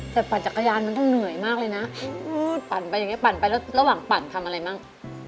แต่ปั่นจักรยานมันก็เหนื่อยมากเลยนะปั่นไปอย่างนี้ปั่นไปแล้วระหว่างปั่นทำอะไรมั่ง